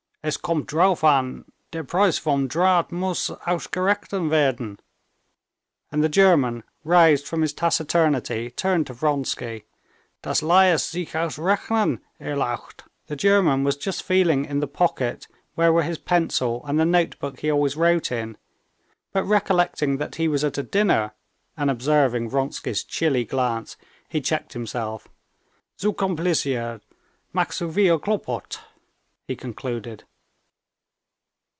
"Es kommt drauf an.... Der Preis vom Draht muss ausgerechnet werden." And the German, roused from his taciturnity, turned to Vronsky. "Das lässt sich ausrechnen, Erlaucht." The German was just feeling in the pocket where were his pencil and the notebook he always wrote in, but recollecting that he was at a dinner, and observing Vronsky's chilly glance, he checked himself. "Zu compliziert, macht zu viel Klopot," he concluded.